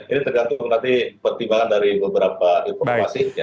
ini tergantung nanti pertimbangan dari beberapa informasi